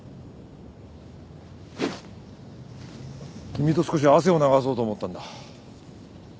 君と少し汗を流そうと思ったんだ。